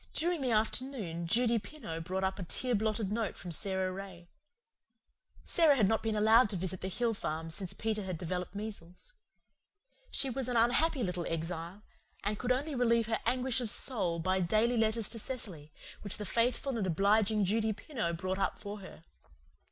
During the afternoon Judy Pineau brought up a tear blotted note from Sara Ray. Sara had not been allowed to visit the hill farm since Peter had developed measles. She was an unhappy little exile, and could only relieve her anguish of soul by daily letters to Cecily, which the faithful and obliging Judy Pineau brought up for her.